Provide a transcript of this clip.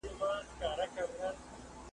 تل به تر لمني هر یوسف زلیخا نه یسي ,